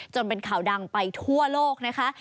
เป็นข่าวดังไปทั่วโลกนะคะ